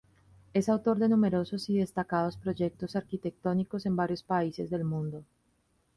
Es autor de numerosos y destacados proyectos arquitectónicos en varios países del mundo.